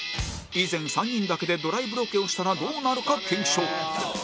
以前３人だけでドライブロケをしたらどうなるか検証